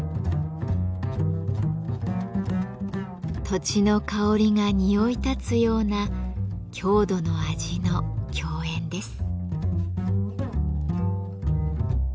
土地の香りが匂いたつような郷土の味の競演です。